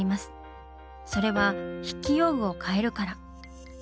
それは筆記用具を変えるから。